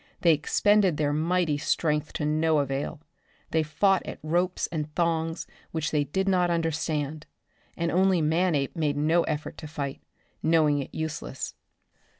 They expended their mighty strength to no avail. They fought at ropes and thongs which they did not understand and only Manape made no effort to fight, knowing it useless.